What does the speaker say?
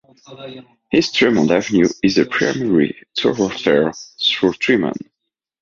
East Tremont Avenue is the primary thoroughfare through Tremont.